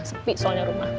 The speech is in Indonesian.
sepi soalnya rumah